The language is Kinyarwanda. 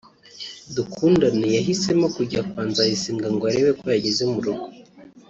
Dukundane yahisemo kujya kwa Nzayisenga ngo arebe ko yageze mu rugo